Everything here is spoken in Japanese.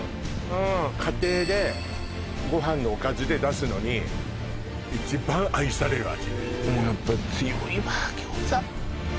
家庭でご飯のおかずで出すのに一番愛される味